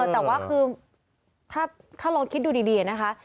แต่ว่าคือถ้าลองคิดดูดีนะคะ